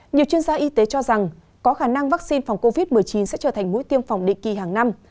nhiều chuyên gia y tế cho rằng có khả năng vaccine phòng covid một mươi chín sẽ trở thành mũi tiêm phòng định kỳ hàng năm